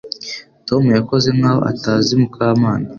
Tom yakoze nkaho atazi Mukamana